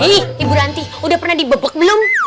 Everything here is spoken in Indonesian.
ih ibu ranti udah pernah di bebek belum